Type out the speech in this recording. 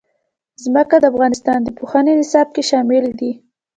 ځمکه د افغانستان د پوهنې نصاب کې شامل دي.